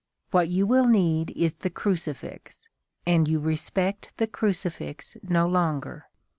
What you will need is the crucifix, and you respect the crucifix no longer.